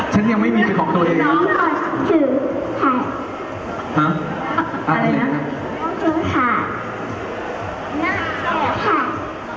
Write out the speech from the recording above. ฉันยังไม่มีเป็นของตัวเองนะ